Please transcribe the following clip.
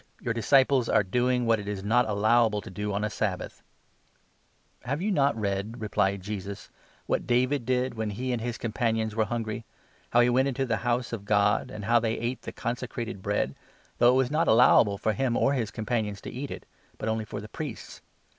your disciples are doing what it is not allowable to do on a Sabbath !"" Have not you read," replied Jesus, "what David did, when 3 he and his companions were hungry — how he went into the 4 House of God, and how they ate the consecrated bread, though it was not allowable for him or his companions to eat it, but only for the priests